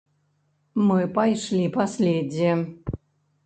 Мы пайшлі па следзе.